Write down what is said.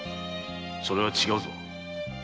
それは違うぞ。